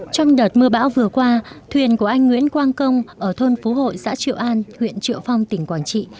trong đợt mưa bão vừa qua thuyền của anh nguyễn quang công ở thôn phú hội xã triệu an huyện triệu phong tỉnh quảng trị